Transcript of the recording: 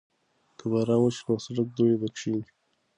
که باران وشي نو د سړک دوړې به کښېني.